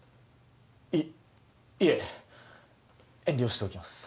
いいえ遠慮しておきます